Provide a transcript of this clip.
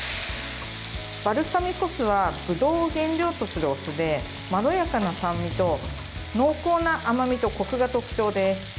バルサミコ酢はぶどうを原料とするお酢でまろやかな酸味と濃厚な甘みとこくが特徴です。